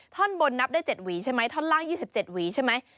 ท่อนบนนับได้๗หวีใช่ไหมท่อนล่าง๒๗หวีใช่ไหม